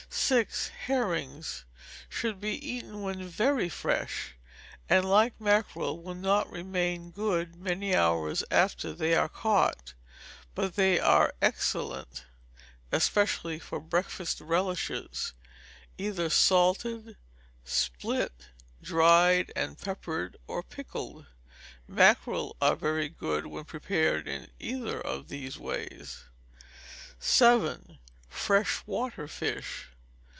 6. Herrings should be eaten when very fresh; and, like mackerel, will not remain good many hours after they are caught. But they are excellent, especially for breakfast relishes, either salted, split, dried, and peppered, or pickled. Mackerel are very good when prepared in either of these ways. 7. Fresh Water Fish.